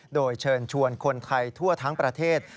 โดยเชิญชวนคนไทยทั่วทั้งประเทศ